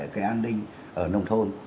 vệ an ninh ở nông thôn